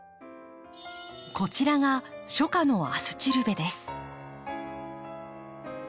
こちらが初夏のアスチルベです。